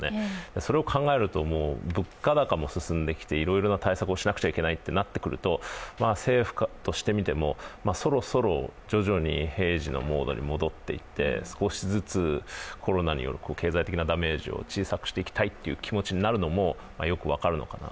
それを考えると、物価高も進んできて、いろいろな対策をしなくちゃいけないとなってくると政府としてみても、そろそろ徐々に平時のモードに戻っていって少しずつコロナによる経済的なダメージを小さくしていきたいという気持ちになるのもよく分かるのかな。